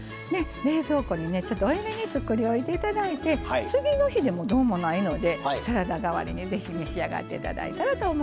冷蔵庫にちょっと多めに作りおいて頂いて次の日でもどうもないのでサラダ代わりにぜひ召し上がって頂いたらと思います。